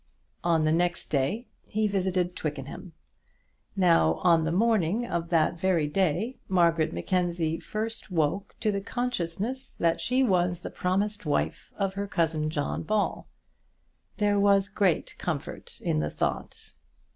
On the next day he visited Twickenham. Now, on the morning of that very day Margaret Mackenzie first woke to the consciousness that she was the promised wife of her cousin John Ball. There was great comfort in the thought.